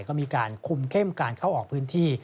ก็มีการคุมเข้มการเข้าออกพื้นที่